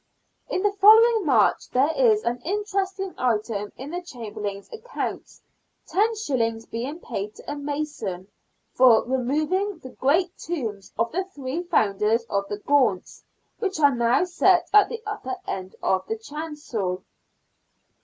In the following March there is an interesting item in the Chamberlain's accounts, los. being paid to a mason " for removing the great tombs of the three founders of the Gaunts, which are now set at the upper end of the chancel."